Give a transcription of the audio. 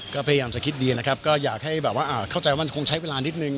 ก็พยายามจะคิดดีนะครับก็อยากให้แบบว่าเข้าใจว่ามันคงใช้เวลานิดนึง